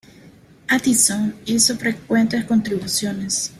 Addison hizo frecuentes contribuciones.